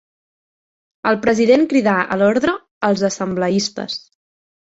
El president cridà a l'ordre els assembleistes.